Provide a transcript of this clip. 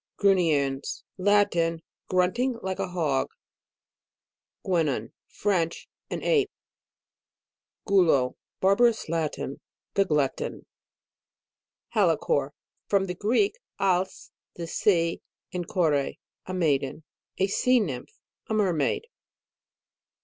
GRUNNIENS. Latin. Grunting like a hog. GUENON. French. An ape. GULO. Barbarous Latin. The glutton HALICORE. From the Greek, als, the sea, and kore, a maiden. A sea nymph; a mermaid.